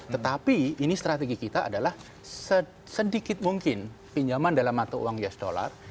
tetapi ini strategi kita adalah sedikit mungkin pinjaman dalam mata uang us dollar